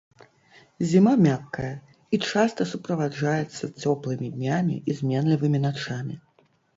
Зіма мяккая, і часта суправаджаецца цёплымі днямі і зменлівымі начамі.